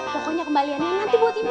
pokoknya kembaliannya nanti buat ibu